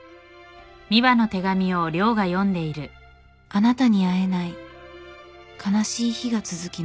「あなたに会えない悲しい日が続きます。